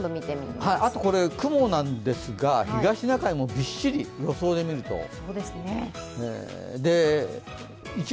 雲なんですが、東シナ海もびっしり、予想で見ると。